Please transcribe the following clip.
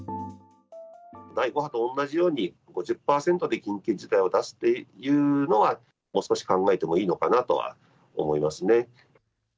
第５波と同じように５０％で緊急事態を出すというのはもう少し考えてもいいのかなとは思いますね。